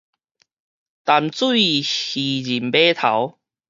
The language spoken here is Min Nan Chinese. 淡水漁人碼頭